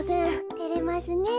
てれますねえ。